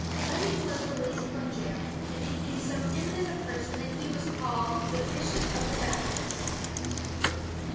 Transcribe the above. Bunyan was released from jail, and be came so eminent a person that he was called " the bishop of the Baptists."